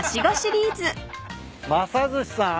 政寿司さん？